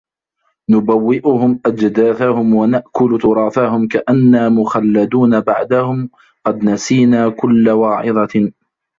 نُبَوِّئُهُمْ أَجْدَاثَهُمْ وَنَأْكُلُ تُرَاثَهُمْ كَأَنَّا مُخَلَّدُونَ بَعْدَهُمْ قَدْ نَسِينَا كُلَّ وَاعِظَةٍ